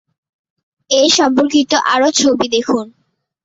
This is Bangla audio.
এ সম্পর্কিত আরও ছবি দেখুন